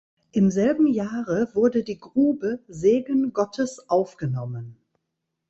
Im selben Jahre wurde die Grube „Segen Gottes“ aufgenommen.